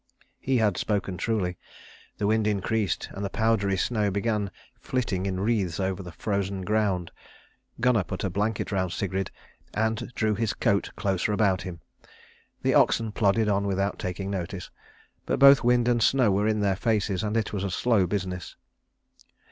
He had spoken truly. The wind increased, and the powdery snow began flitting in wreaths over the frozen ground. Gunnar put a blanket round Sigrid and drew his coat closer about him. The oxen plodded on without taking notice. But both wind and snow were in their faces, and it was a slow business.